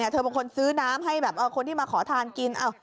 เธอเป็นคนซื้อน้ำให้แบบคนที่มาขอทานกิน